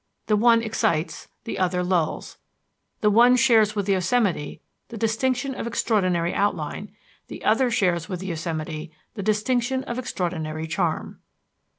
The one excites, the other lulls. The one shares with Yosemite the distinction of extraordinary outline, the other shares with Yosemite the distinction of extraordinary charm.